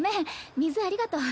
水ありがとう。